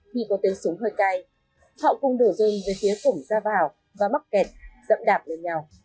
khi có tên súng hơi cay họ cùng đổ rơi về phía phủng ra vào và mắc kẹt dẫm đạp lên nhau